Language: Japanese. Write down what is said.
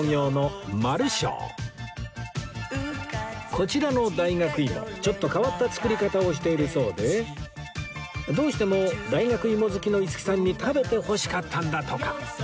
こちらの大学芋ちょっと変わった作り方をしているそうでどうしても大学芋好きの五木さんに食べてほしかったんだとか